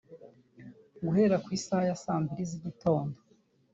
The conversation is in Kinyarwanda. Guhera ku isaha ya saa mbili z’igitondo